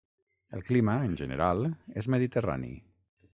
El clima, en general, és mediterrani.